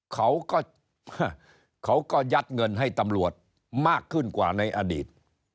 เขาก็ยัดเงินให้ตำรวจมากขึ้นในอดีต